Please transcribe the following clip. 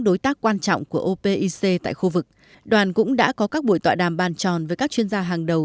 đối tác quan trọng của opic tại khu vực đoàn cũng đã có các buổi tọa đàm bàn tròn với các chuyên gia hàng đầu